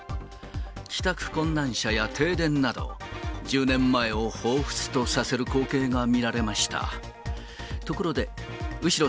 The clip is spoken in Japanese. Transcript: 帰宅困難者や停電など、１０年前をほうふつとさせる光景が見られました。